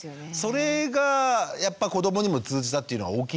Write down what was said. それがやっぱ子どもにも通じたっていうのは大きいんじゃないですか？